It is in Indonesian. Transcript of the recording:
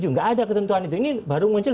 juga ada ketentuan itu ini baru muncul